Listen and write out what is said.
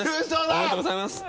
おめでとうございます。